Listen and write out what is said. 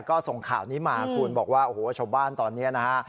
ก็ส่งข่าวนี้มาคุณบอกว่าโอ้โหชาวบ้านตอนนี้นะฮะ